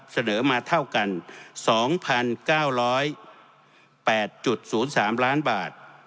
เสนอมาเท่ากัน๒๙๐๘๐๓ล้านบาท